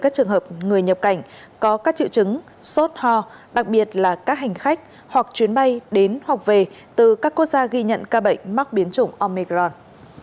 các trường hợp người nhập cảnh có các triệu chứng sốt ho đặc biệt là các hành khách hoặc chuyến bay đến hoặc về từ các quốc gia ghi nhận ca bệnh mắc biến chủng omecron